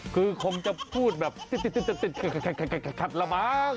คือคงจะพูดแบบขัดละบาง